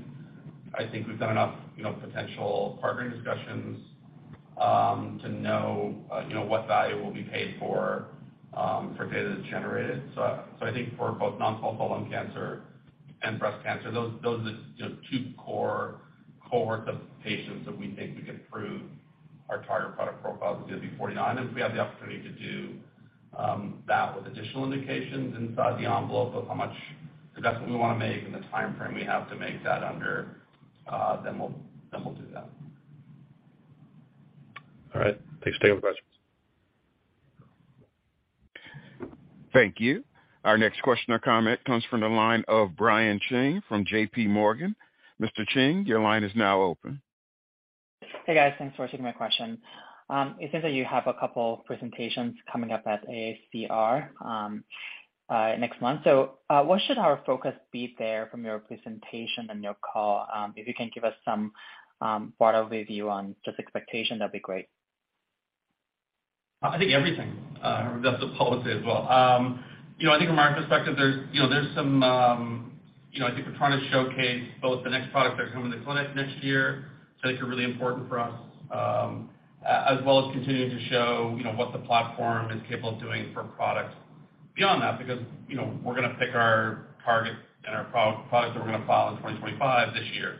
I think we've done enough, you know, potential partnering discussions, to know, you know, what value will be paid for data that's generated. I think for both non-small cell lung cancer and breast cancer, those are the, you know, two core cohorts of patients that we think we can prove our target product profile with ZW49. If we have the opportunity to do that with additional indications inside the envelope of how much investment we wanna make and the timeframe we have to make that under, then we'll do that.
All right. Thanks. Take out the questions.
Thank you. Our next question or comment comes from the line of Brian Cheng from JPMorgan. Mr. Cheng, your line is now open.
Hey, guys. Thanks for taking my question. It seems that you have a couple presentations coming up at AACR next month. What should our focus be there from your presentation and your call? If you can give us some broader overview on just expectations, that'd be great.
I think everything. That's the policy as well. You know, I think from our perspective, there's, you know, there's some, you know, I think we're trying to showcase both the next products that are coming to clinic next year that I think are really important for us, as well as continuing to show, you know, what the platform is capable of doing for products beyond that. You know, we're gonna pick our targets and our products that we're gonna file in 2025 this year.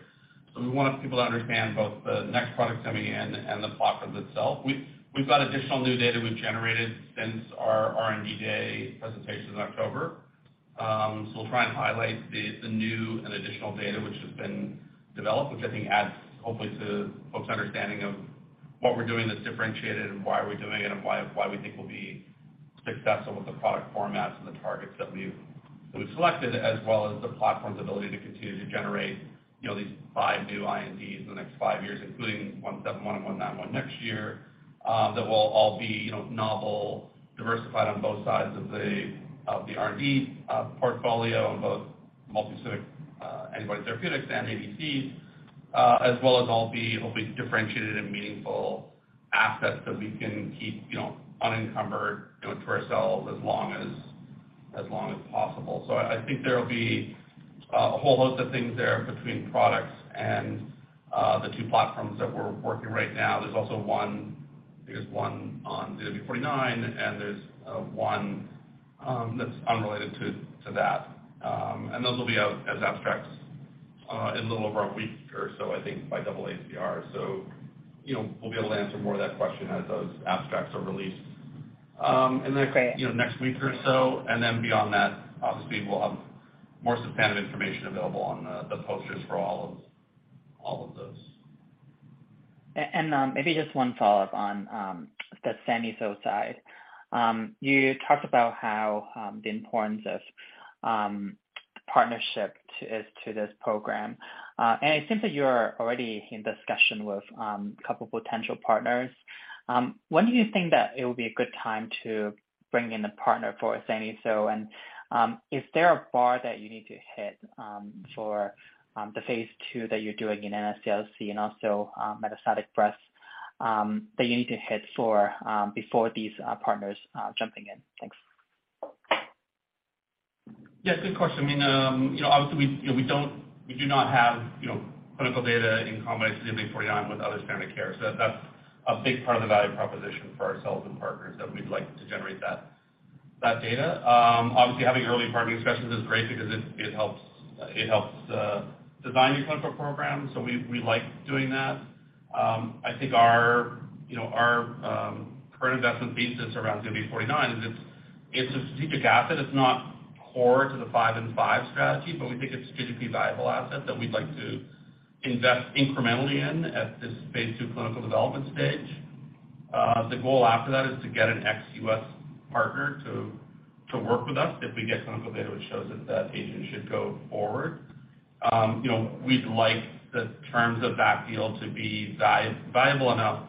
We want people to understand both the next products coming in and the platform itself. We've got additional new data we've generated since our R&D Day presentation in October. We'll try and highlight the new and additional data which has been developed, which I think adds hopefully to folks' understanding of what we're doing that's differentiated and why are we doing it and why we think we'll be successful with the product formats and the targets that we've selected, as well as the platform's ability to continue to generate, you know, these five new INDs in the next five years, including one seven one and one nine one next year, that will all be, you know, novel, diversified on both sides of the R&D, portfolio on both multispecific, antibody therapeutics and ADCs, as well as all be hopefully differentiated and meaningful assets that we can keep, you know, unencumbered, you know, to ourselves as long as possible. I think there'll be a whole host of things there between products and the two platforms that we're working right now. There's also one, I think there's one on ZW49, and there's one that's unrelated to that. Those will be out as abstracts in a little over one week or so, I think, by AACR. You know, we'll be able to answer more of that question as those abstracts are released.
Great.
You know, next week or so. Then beyond that, obviously, we'll have more substantive information available on the posters for all of, all of those.
Maybe just one follow-up on the Zani-zo side. You talked about how the importance of partnership to, is to this program. It seems that you're already in discussion with a couple potential partners. When do you think that it would be a good time to bring in a partner for Zani-zo? Is there a bar that you need to hit for the Phase II that you're doing in NSCLC and also metastatic breast that you need to hit for before these partners jumping in? Thanks.
Good question. I mean, you know, obviously, we, you know, we do not have, you know, clinical data in combining ZW49 with other standard care. That's a big part of the value proposition for ourselves and partners that we'd like to generate that data. Obviously, having early partnering discussions is great because it helps design your clinical program. We like doing that. I think our, you know, our current investment thesis around ZW49 is it's a strategic asset. It's not core to the 5 by 5 strategy, but we think it's a strategically valuable asset that we'd like to invest incrementally in at this Phase II clinical development stage. The goal after that is to get an ex-U.S. partner to work with us if we get clinical data which shows that that agent should go forward. You know, we'd like the terms of that deal to be valuable enough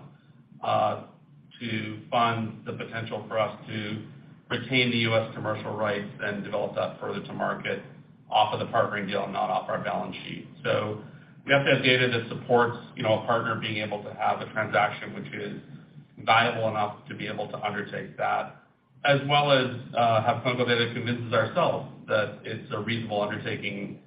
to fund the potential for us to retain the U.S. commercial rights and develop that further to market off of the partnering deal, not off our balance sheet. We have to have data that supports, you know, a partner being able to have a transaction which is valuable enough to be able to undertake that, as well as, have clinical data that convinces ourselves that it's a reasonable undertaking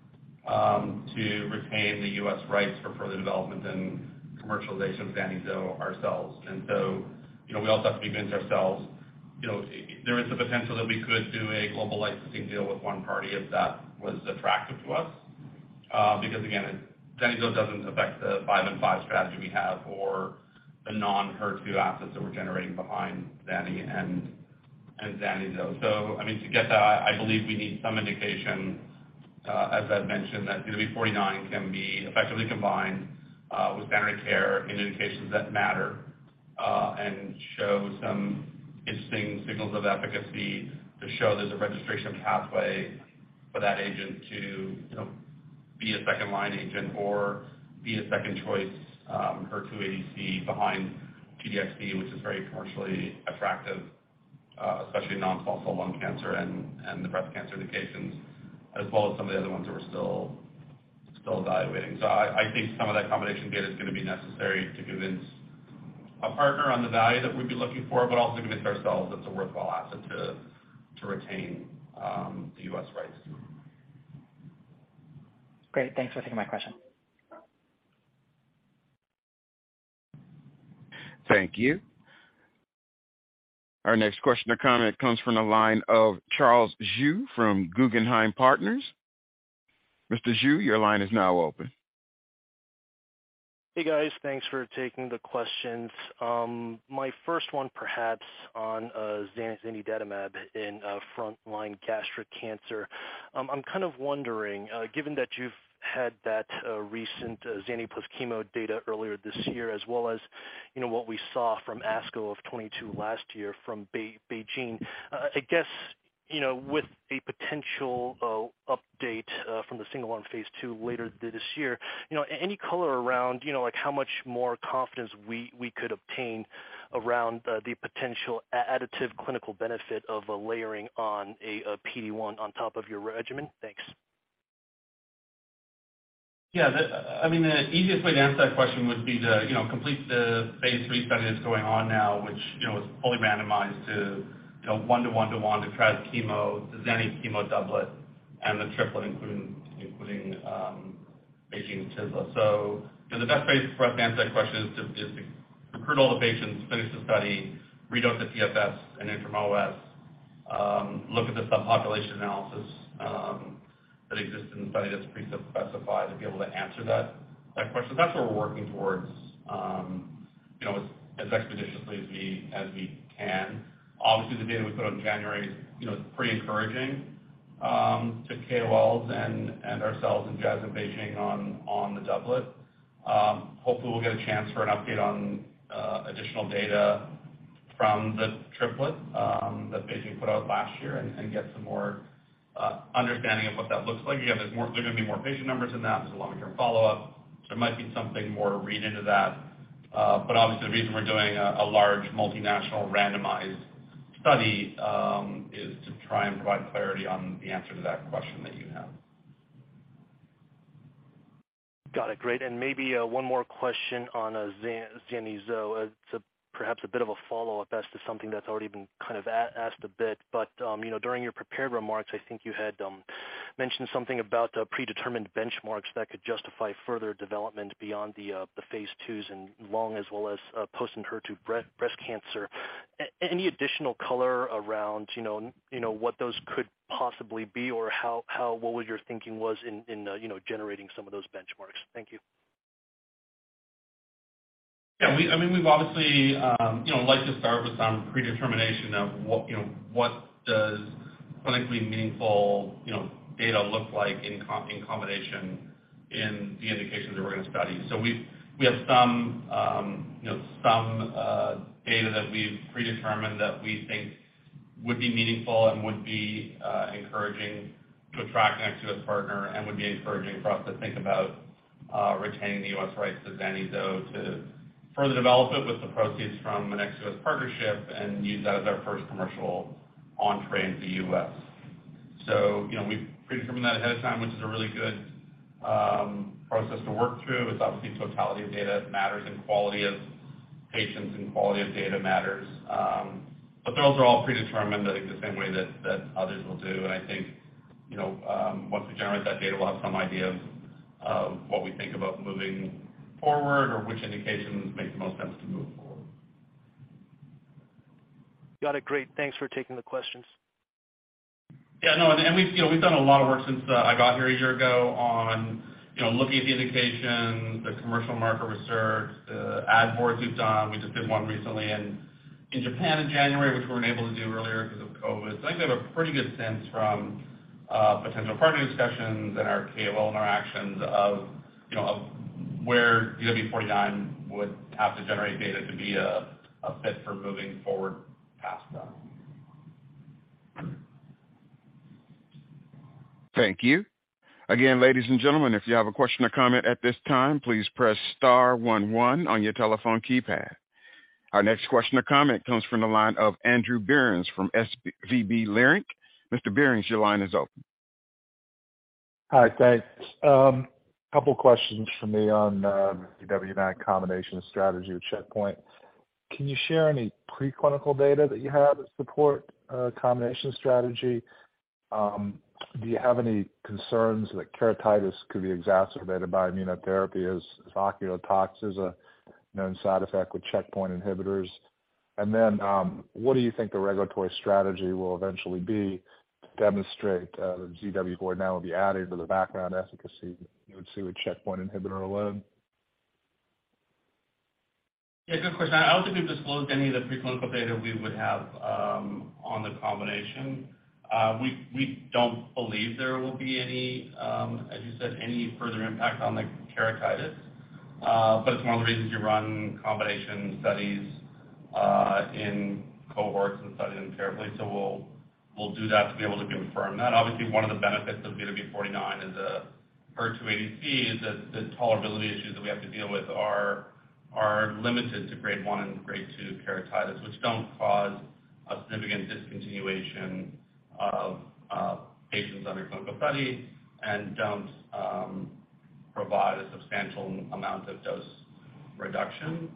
to retain the U.S. rights for further development and commercialization of zanidatamab ourselves. You know, we also have to convince ourselves, you know, there is the potential that we could do a global licensing deal with one party if that was attractive to us. Because again, Zani-zo doesn't affect the 5 by 5 strategy we have or the non-HER2 assets that we're generating behind Zani and Zani-zo. I mean, to get that, I believe we need some indication, as I've mentioned, that ZW49 can be effectively combined with standard care in indications that matter, and show some interesting signals of efficacy to show there's a registration pathway for that agent to, you know, be a second-line agent or be a second choice, HER2 ADC behind Enhertu, which is very commercially attractive, especially non-small cell lung cancer and the breast cancer indications, as well as some of the other ones that we're still evaluating. I think some of that combination data is gonna be necessary to convince a partner on the value that we'd be looking for, but also convince ourselves it's a worthwhile asset to retain the U.S. rights.
Great. Thanks for taking my question.
Thank you. Our next question or comment comes from the line of Charles Zhu from Guggenheim Partners. Mr. Zhu, your line is now open.
Hey, guys. Thanks for taking the questions. My first one perhaps on zanidatamab in frontline gastric cancer. I'm kind of wondering, given that you've had that recent zani plus chemo data earlier this year, as well as, you know, what we saw from ASCO 2022 last year from BeiGene, I guess, you know, with a potential update from the single-arm Phase II later this year, you know, any color around, you know, like how much more confidence we could obtain around the potential additive clinical benefit of a layering on a PD-1 on top of your regimen? Thanks.
I mean, the easiest way to answer that question would be to, you know, complete the Phase III study that's going on now, which, you know, is fully randomized to, you know, 1-to-1-to-1 to try the chemo, the Zani chemo doublet and the triplet, including BeiGene and Tisla. The best way for us to answer that question is to recruit all the patients, finish the study, read out the PFS and interim OS, look at the subpopulation analysis that exists in the study that's pre-specified to be able to answer that question. That's what we're working towards, you know, as expeditiously as we can. Obviously, the data we put out in January is, you know, pretty encouraging to KOLs and ourselves and Jazz and BeiGene on the doublet. Hopefully, we'll get a chance for an update on additional data from the triplet that BeiGene put out last year and get some more understanding of what that looks like. Again, there's gonna be more patient numbers in that. There's a longer term follow-up. There might be something more read into that. Obviously, the reason we're doing a large multinational randomized study is to try and provide clarity on the answer to that question that you have.
Got it. Great. Maybe, one more question on Zani-Zo. It's perhaps a bit of a follow-up as to something that's already been kind of asked a bit. You know, during your prepared remarks, I think you had mentioned something about the predetermined benchmarks that could justify further development beyond the Phase IIs in lung as well as post and HER2 breast cancer. Any additional color around, you know, you know, what those could possibly be or how what was your thinking was in, you know, generating some of those benchmarks? Thank you.
Yeah, I mean, we've obviously, you know, like to start with some predetermination of what, you know, what does clinically meaningful, you know, data look like in combination in the indications that we're going to study. We have some, you know, some data that we've predetermined that we think would be meaningful and would be encouraging to attract an ex-U.S. partner and would be encouraging for us to think about retaining the U.S. rights to Zani-Zo to further develop it with the proceeds from an ex U.S. Partnership and use that as our first commercial entree in the U.S. You know, we've predetermined that ahead of time, which is a really good process to work through. It's obviously totality of data matters and quality of patients and quality of data matters. Those are all predetermined, I think, the same way that others will do. I think, you know, once we generate that data, we'll have some idea of what we think about moving forward or which indications make the most sense to move forward.
Got it. Great. Thanks for taking the questions.
Yeah, no. We've, you know, we've done a lot of work since I got here a year ago on, you know, looking at the indications, the commercial market research, the ad boards we've done. We just did one recently in Japan in January, which we weren't able to do earlier because of COVID. I think we have a pretty good sense from potential partner discussions and our KOL interactions of, you know, of where ZW49 would have to generate data to be a fit for moving forward past that.
Thank you. Ladies and gentlemen, if you have a question or comment at this time, please press star one one on your telephone keypad. Our next question or comment comes from the line of Andrew Berens from SVB Leerink. Mr. Berens, your line is open.
Hi. Thanks. A couple questions for me on ZW49 combination strategy with checkpoint. Can you share any preclinical data that you have that support a combination strategy? Do you have any concerns that keratitis could be exacerbated by immunotherapy as oculotox is a known side effect with checkpoint inhibitors? Then what do you think the regulatory strategy will eventually be to demonstrate that ZW49 will be added to the background efficacy you would see with checkpoint inhibitor alone?
Good question. I don't think we've disclosed any of the preclinical data we would have on the combination. We don't believe there will be any, as you said, any further impact on the keratitis. It's one of the reasons you run combination studies in cohorts and study them carefully. We'll do that to be able to confirm that. Obviously, one of the benefits of ZW49 is the HER2 ADC is that the tolerability issues that we have to deal with are limited to grade 1 and grade 2 keratitis, which don't cause a significant discontinuation of patients on their clinical study and don't provide a substantial amount of dose reduction.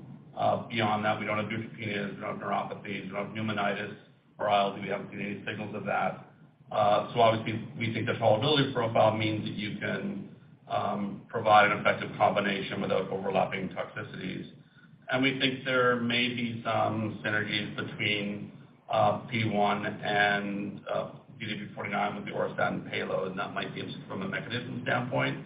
Beyond that, we don't have neutropenias, we don't have neuropathies, we don't have pneumonitis or ILD. We haven't seen any signals of that. Obviously, we think the tolerability profile means that you can provide an effective combination without overlapping toxicities. We think there may be some synergies between PD-1 and ZW49 with the auristatin payload, and that might be it from a mechanism standpoint.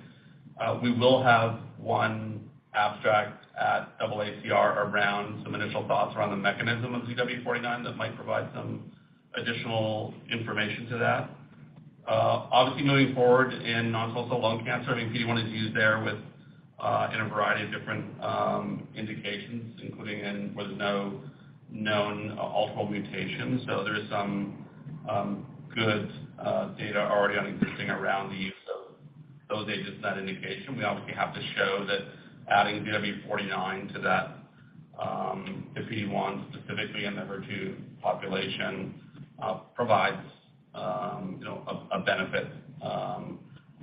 We will have one abstract at AACR around some initial thoughts around the mechanism of ZW49 that might provide some additional information to that. Obviously, moving forward in non-small cell lung cancer, I think PD-1 is used there with in a variety of different indications, including in where there's no known multiple mutations. There's some good data already existing around the use of those agents in that indication. We obviously have to show that adding ZW49 to that if PD-1 specifically in the HER2 population provides, you know, a benefit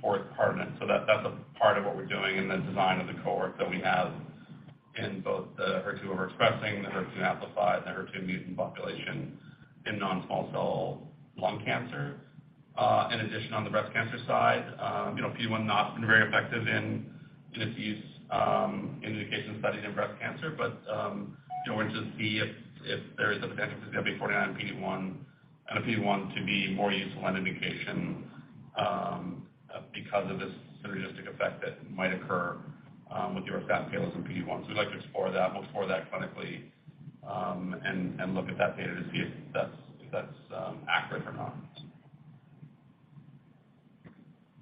for its partner. That's a part of what we're doing in the design of the cohort that we have in both the HER2 overexpressing, the HER2 amplified, and the HER2 mutant population in non-small cell lung cancer. In addition, on the breast cancer side, you know, PD-1 not been very effective in its use in the case studies in breast cancer. You know, we'll just see if there is a potential with ZW49, PD-1, and if you want to be more useful an indication, because of this synergistic effect that might occur with your 5K as in PD-1. We'd like to explore that, explore that clinically, and look at that data to see if that's accurate or not.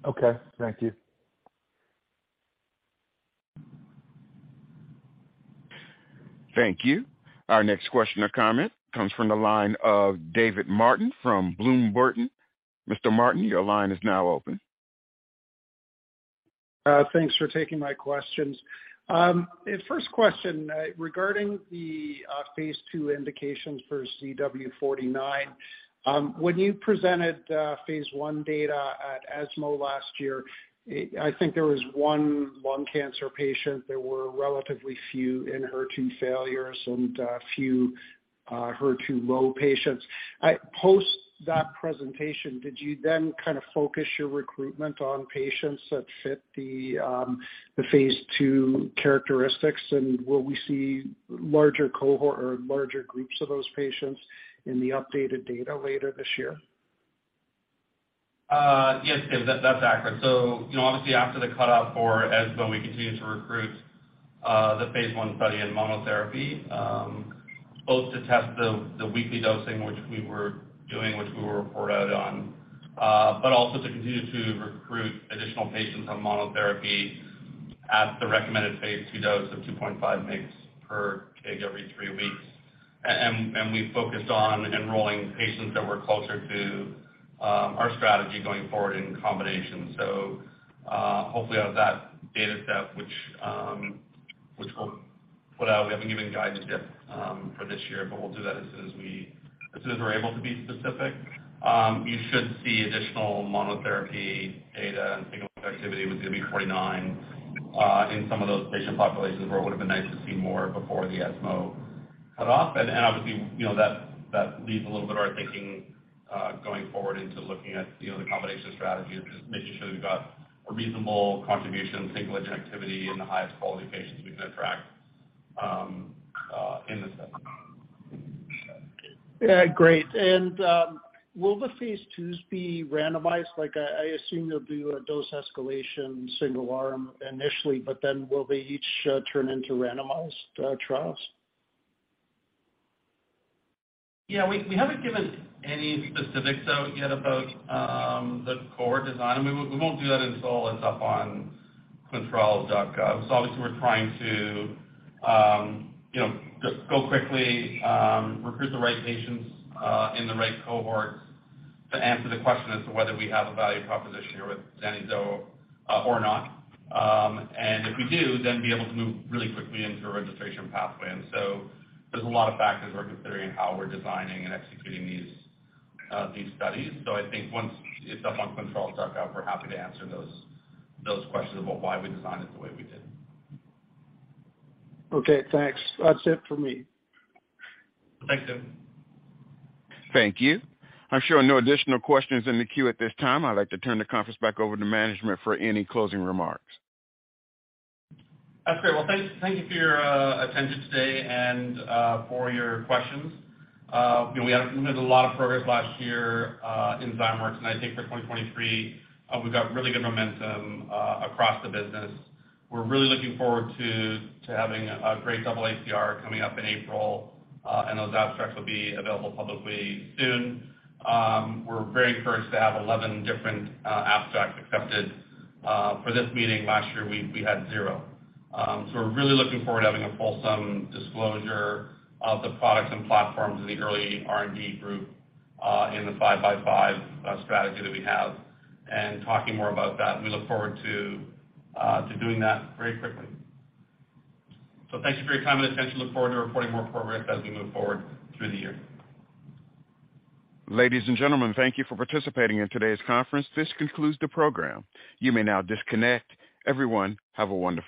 Okay. Thank you.
Thank you. Our next question or comment comes from the line of David Martin from Bloom Burton. Mr. Martin, your line is now open.
Thanks for taking my questions. First question regarding the Phase II indications for ZW49. When you presented Phase I data at ESMO last year, I think there was one lung cancer patient. There were relatively few in HER2 failures and a few HER2 low patients. Post that presentation, did you then kind of focus your recruitment on patients that fit the Phase II characteristics? Will we see larger cohort or larger groups of those patients in the updated data later this year?
Yes. Yes. That's accurate. You know, obviously after the cutoff for ESMO, we continued to recruit the Phase I study in monotherapy, both to test the weekly dosing, which we were doing, which we were reported on, but also to continue to recruit additional patients on monotherapy at the recommended Phase II dose of 2.5 mgs per kg every 3 weeks. We focused on enrolling patients that were closer to our strategy going forward in combination. Hopefully out of that data set which we'll put out, we haven't given guidance yet for this year, but we'll do that as soon as we're able to be specific. You should see additional monotherapy data and single activity with DB 49 in some of those patient populations where it would have been nice to see more before the ESMO cut off. Obviously, you know, that leaves a little bit of our thinking going forward into looking at, you know, the combination strategy and just making sure we've got a reasonable contribution of single agent activity in the highest quality patients we can attract in this study.
Yeah, great. Will the Phase IIs be randomized? Like I assume you'll do a dose escalation single arm initially, will they each turn into randomized trials?
Yeah, we haven't given any specifics out yet about the cohort design, we won't do that until it's up on ClinicalTrials.gov. Obviously, we're trying to, you know, go quickly, recruit the right patients in the right cohorts to answer the question as to whether we have a value proposition here with zanidatamab or not. If we do, be able to move really quickly into a registration pathway. There's a lot of factors we're considering in how we're designing and executing these studies. I think once it's up on ClinicalTrials.gov, we're happy to answer those questions about why we designed it the way we did.
Okay, thanks. That's it for me.
Thanks, David.
Thank you. I'm showing no additional questions in the queue at this time. I'd like to turn the conference back over to management for any closing remarks.
That's great. Well, thank you for your attention today and for your questions. You know, we had a lot of progress last year in Zymeworks, and I think for 2023, we've got really good momentum across the business. We're really looking forward to having a great AACR coming up in April, and those abstracts will be available publicly soon. We're very encouraged to have 11 different abstracts accepted for this meeting. Last year we had zero. We're really looking forward to having a fulsome disclosure of the products and platforms in the early R&D group in the 5 by 5 strategy that we have and talking more about that. We look forward to doing that very quickly. Thank you for your time and attention. Look forward to reporting more progress as we move forward through the year.
Ladies and gentlemen, thank you for participating in today's conference. This concludes the program. You may now disconnect. Everyone, have a wonderful day.